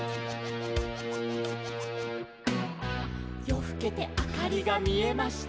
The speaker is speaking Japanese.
「よふけてあかりがみえました」